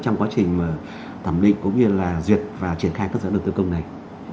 trong quá trình thẩm định cũng như là duyệt và triển khai cơ sở đầu tư công này